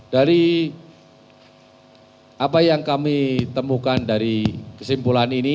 dari apa yang kami temukan dari kesimpulan ini